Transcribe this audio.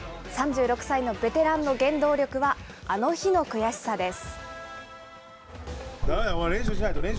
３６歳のベテランの原動力は、あの日の悔しさです。